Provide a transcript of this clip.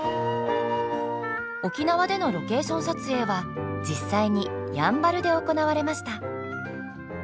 沖縄でのロケーション撮影は実際にやんばるで行われました。